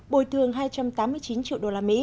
bồi thường hai trăm tám mươi chín triệu đô la mỹ